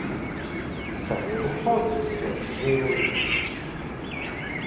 Ça se comprend qu'ils soient gênés eux-mêmes.